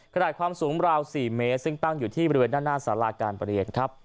ขนาดความสูงราว๔เมตรซึ่งตั้งอยู่ที่บริเวณด้านหน้าสาราการประเรียนครับ